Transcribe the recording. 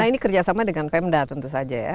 nah ini kerjasama dengan pemda tentu saja ya